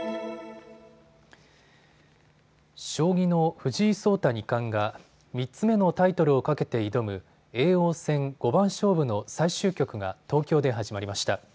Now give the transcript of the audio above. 将棋の藤井聡太二冠が３つ目のタイトルを懸けて挑む叡王戦五番勝負の最終局が東京で始まりました。